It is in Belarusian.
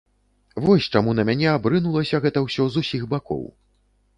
Вось чаму на мяне абрынулася гэта ўсё з усіх бакоў.